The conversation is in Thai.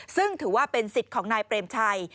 ซึ่งถือว่าเป็นสิทธิ์ของนายเปรมชัย